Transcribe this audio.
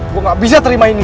gue gak bisa terima ini